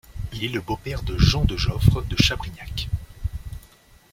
Il est le beau-père de Jean de Geoffre de Chabrignac.